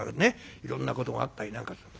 いろんなことがあったりなんかする。